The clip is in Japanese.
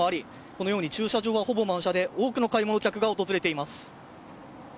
このように駐車場はほぼ満車で多くの買い物客が訪れています。